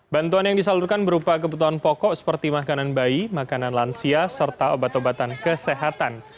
bantuan yang disalurkan berupa kebutuhan pokok seperti makanan bayi makanan lansia serta obat obatan kesehatan